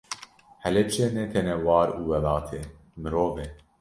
Helepçe tenê ne war û welat e, mirov e.